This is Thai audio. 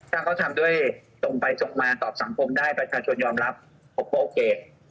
ถ้าเขาทำด้วยตรงไปตรงมาตอบสังคมได้ประชาชนยอมรับผมก็โอเค